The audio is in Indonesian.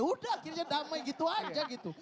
udah akhirnya damai gitu aja gitu